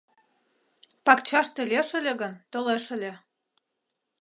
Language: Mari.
Пакчаште лиеш ыле гын, толеш ыле